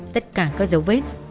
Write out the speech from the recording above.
tất cả các dấu vết